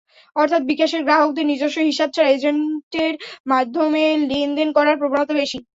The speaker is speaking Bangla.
অর্থাৎ, বিকাশের গ্রাহকদের নিজস্ব হিসাব ছাড়া এজেন্টের মাধ্যমে লেনদেন করার প্রবণতা বেশি।